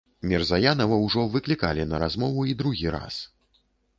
Мірзаянава ўжо выклікалі на размову і другі раз.